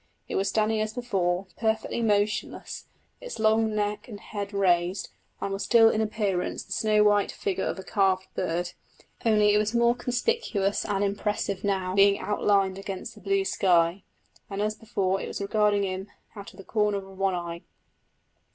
It was standing as before, perfectly motionless, its long neck and head raised, and was still in appearance the snow white figure of a carved bird, only it was more conspicuous and impressive now, being outlined against the blue sky, and as before it was regarding him out of the corner of one eye.